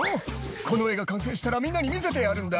「この絵が完成したらみんなに見せてやるんだ」